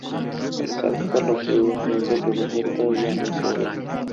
په نصاب کې پرله پسې بدلونونو د زده کړې بهیر ته زیان رسولی دی.